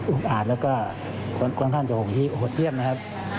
อุบอัดแล้วก็ความค่อนข้างจะโหดเทียมนะครับ